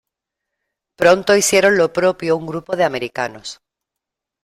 Pronto hicieron lo propio un grupo de Americanos.